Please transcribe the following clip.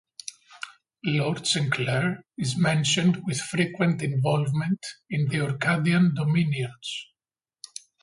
Lord Sinclair is mentioned with frequent involvement in the Orcadian dominions.